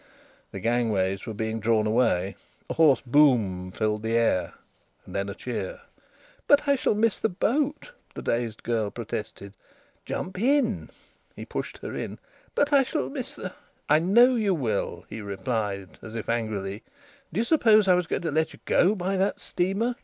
The gangways were being drawn away. A hoarse boom filled the air, and then a cheer. "But I shall miss the boat," the dazed girl protested. "Jump in." He pushed her in. "But I shall miss the..." "I know you will," he replied, as if angrily. "Do you suppose I was going to let you go by that steamer?